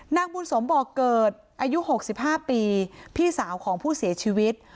นางบุญสมบอกเกิดอายุ๖๕ปีพี่สาวของผู้เสียชีวิต